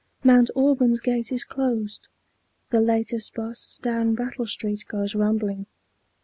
Mount Auburn's gate is closed. The latest 'bus Down Brattle Street goes rumbling.